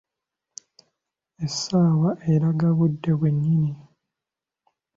Essaawa eraga budde bwe nnyini.